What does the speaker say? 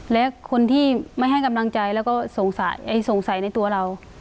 และคนที่ไม่ให้กำลังใจแล้วก็สงสัยในตัวเรา